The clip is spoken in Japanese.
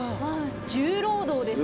重労働ですね。